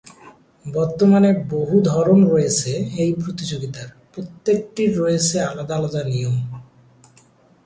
বর্তমানে বহু ধরন রয়েছে এই প্রতিযোগিতার, প্রত্যেকটির রয়েছে আলাদা আলাদা নিয়ম।